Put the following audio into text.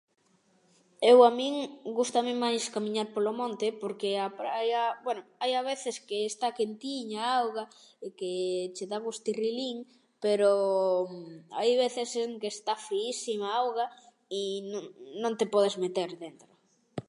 Eu, a min, gústame máis camiñar polo monte porque a praia, bueno, hai a veces que está quentiña a auga e que che da gustirrilín, pero hai a veces en que está friísima a auga i no- non te podes meter dentro.